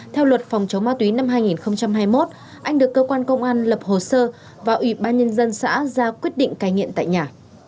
theo luật phòng chống ma túy năm hai nghìn hai mươi một anh được cơ quan công an lập hồ sơ và ủy ban nhân dân xã ra quyết định cai nghiện tại nhà